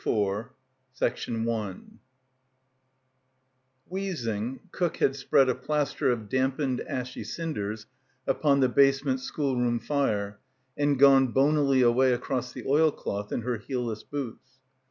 112 CHAPTER IV WHEEZING, cook had spread a plaster of dampened ashy cinders upon the base ment schoolroom fire and gone bonily away across the oilcloth in her heelless boots.